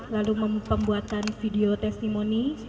lalu membuatkan video testimoni